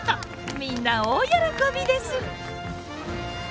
みんな大喜びです！